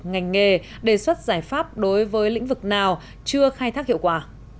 ngành nghề đề xuất giải pháp đối với lĩnh vực nào chưa khai thác hiệu quả